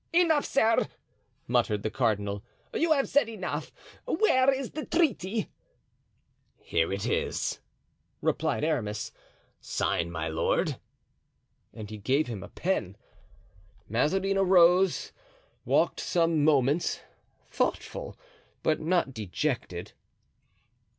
"Enough, sir," muttered the cardinal, "you have said enough; where is the treaty?" "Here it is," replied Aramis. "Sign, my lord," and he gave him a pen. Mazarin arose, walked some moments, thoughtful, but not dejected.